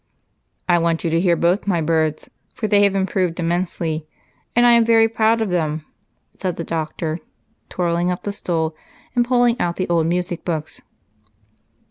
"I want you to hear both my birds, for they have improved immensely, and I am very proud of them," said the doctor, twirling up the stool and pulling out the old music books.